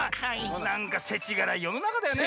なんかせちがらいよのなかだよね。